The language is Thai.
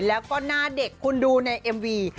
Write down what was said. แล้วก็หน้าเด็กคุณดูในเอ็มวี